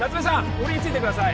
俺についてください